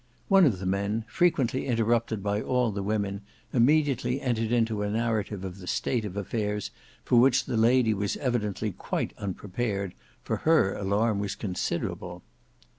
One of the men, frequently interrupted by all the women, immediately entered into a narrative of the state of affairs for which the lady was evidently quite unprepared, for her alarm was considerable.